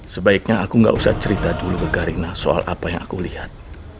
sebaiknya aku gak usah cerita dulu ke karina soal apa yang aku lihat